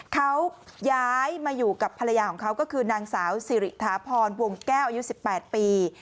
เขาย้ายมาอยู่กับภรรยาของเขาก็คือนางสาวสิริถาพรวงแก้วอายุ๑๘ปี